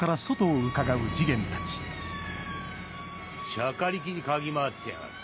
しゃかりきに嗅ぎ回ってやがる。